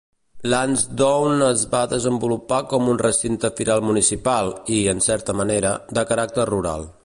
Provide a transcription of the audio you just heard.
Lansdowne es va desenvolupar com un recinte firal municipal i, en certa manera, de caràcter rural.